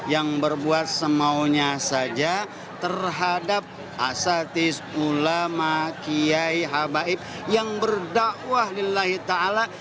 yang berbuat semaunya saja terhadap asatis ulama kiai habaib yang berdakwah lillahi ta'ala